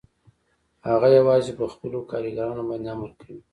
هغه یوازې په خپلو کارګرانو باندې امر کوي